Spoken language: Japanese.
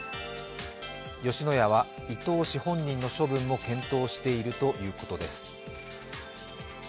吉野家は伊東氏本人の処分も検討しているということです。